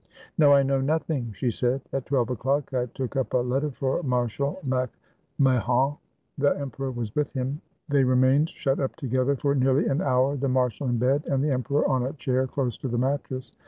"No, I know nothing," she said; "at twelve o'clock I took up a letter for Marshal MacIMa hon. The emperor was Vv^ith him. They remained shut up together for nearly an hour, the marshal in bed, and the emperor on a chair close to the mattress.